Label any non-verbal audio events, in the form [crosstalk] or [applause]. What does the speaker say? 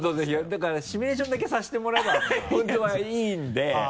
だからシミュレーションだけさせてもらえば本当はいいんで [laughs]